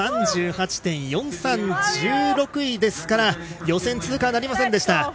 ３８．４３１６位ですから予選通過はなりませんでした。